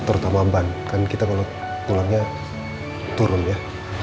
terutama ban kan kita kalau tulangnya turun ya